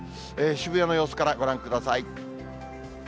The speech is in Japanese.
渋谷の様子からご覧ください。